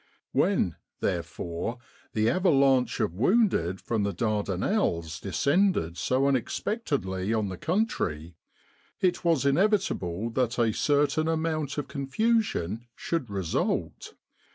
When, therefore, the avalanche of wounded from the Dardanelles descended so unexpectedly on the country, it was inevitable that a certain amount of confusion should result.